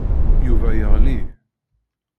Yuba yeɣli.